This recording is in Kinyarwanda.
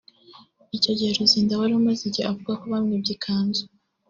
Icyo gihe Luzinda wari umaze igihe avuga ko bamwibye ikanzu